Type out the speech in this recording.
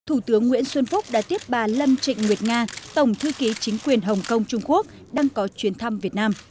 thủ tướng nguyễn xuân phúc đã tiếp bà lâm trịnh nguyệt nga tổng thư ký chính quyền hồng kông trung quốc đang có chuyến thăm việt nam